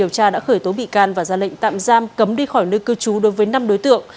số bị can và ra lệnh tạm giam cấm đi khỏi nơi cư trú đối với năm đối tượng